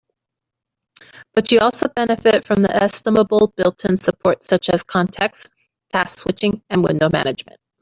But you also benefit from the estimable built-in support such as contexts, task switching, and window management.